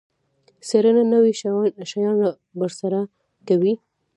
څیړنه نوي شیان رابرسیره کوي